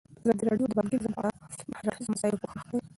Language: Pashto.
ازادي راډیو د بانکي نظام په اړه د هر اړخیزو مسایلو پوښښ کړی.